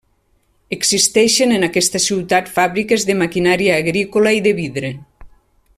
Existeixen en aquesta ciutat fàbriques de maquinària agrícola i de vidre.